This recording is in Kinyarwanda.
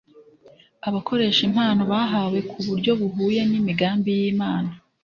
Abakoresha impano bahawe ku buryo buhuye n'imigambi y'Imana,